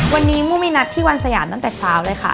วันนี้มู้มีนัดที่วันสยามตั้งแต่เช้าเลยค่ะ